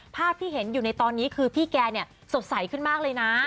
ภาพที่เห็นอยู่ในตอนนี้คือพี่แกเนี่ยสดใสขึ้นมากเลยนะ